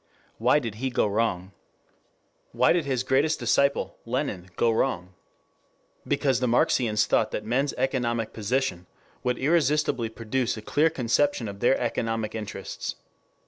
Why did he go wrong? Why did his greatest disciple, Lenin, go wrong? Because the Marxians thought that men's economic position would irresistibly produce a clear conception of their economic interests.